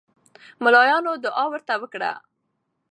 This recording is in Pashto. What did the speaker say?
ملاینو دعا ورته وکړه.